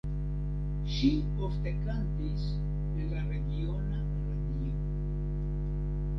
Ŝi ofte kantis en la regiona radio.